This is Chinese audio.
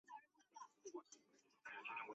加拿大最高法院位置于首都渥太华。